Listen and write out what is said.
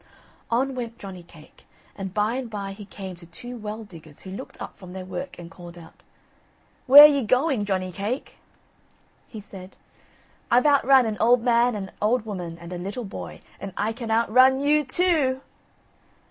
On went Johnny cake, and by and by he came to two well diggers who looked up from their work and called out: "Where ye going, Johnny cake?" He said: "I've outrun an old man, and an old woman, and a little boy, and I can outrun you too o o!"